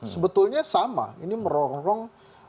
sebetulnya sama ini merongrong